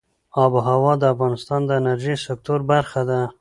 آب وهوا د افغانستان د انرژۍ سکتور برخه ده.